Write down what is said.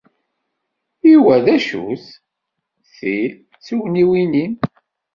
I wa, d acu-t? Ti d tugniwin-nnem.